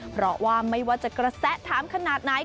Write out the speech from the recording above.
เพราะว่าไม่ว่าจะกระแสถามขนาดไหน